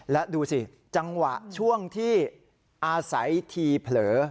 และดูสิจังหวะช่วงที่อาศัยทีเผลอ